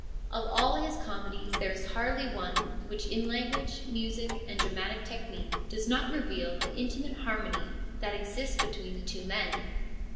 Of all his comedies there is hardly one which in language, music, and dramatic technique does not reveal the intimate harmony that exists between the two men.